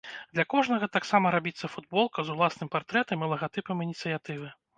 Для кожнага таксама рабіцца футболка з уласным партрэтам і лагатыпам ініцыятывы.